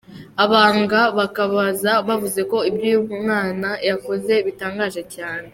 Abaganga bakaba bavuze ko ibyo uyu mwana yakoze bitangaje cyane.